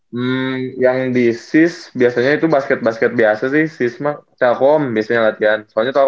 hmm yang di sis biasanya itu basket basket biasa sih sis mah telkom biasanya latihan